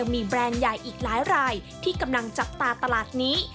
มีแบรนด์ใหญ่อีกหลายรายที่กำลังจับตาตลาดนี้